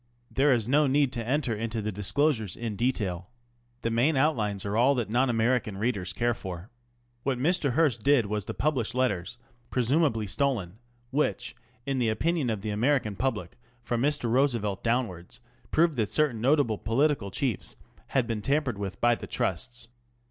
There is no need to enter into the disclosures in detail. The main outlines are all that non American readers care for. What Mr. Hearst did was to publish letters ŌĆö presumably stolen ŌĆö which, in the opinion of the American public, from Mr. Roosevelt downwards, proved that certain notable political chiefs had been tampered with by the Trusts.